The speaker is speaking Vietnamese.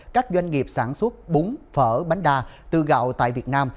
các doanh nghiệp sản xuất bún phở bánh đa từ gạo tại việt nam